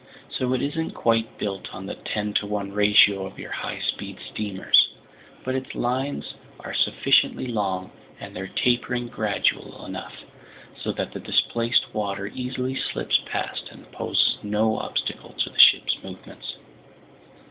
So it isn't quite built on the ten to one ratio of your high speed steamers; but its lines are sufficiently long, and their tapering gradual enough, so that the displaced water easily slips past and poses no obstacle to the ship's movements.